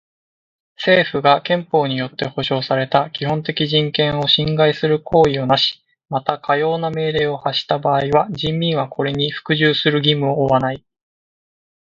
政府が憲法によって保障された基本的人権を侵害する行為をなし、またかような命令を発した場合は人民はこれに服従する義務を負わない。